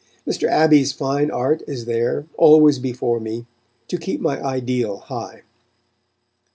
Mr. Abbey's fine art is there, always before me, to keep my ideal high.